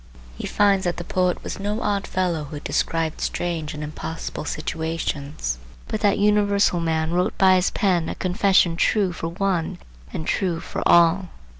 He finds that the poet was no odd fellow who described strange and impossible situations, but that universal man wrote by his pen a confession true for one and true for all.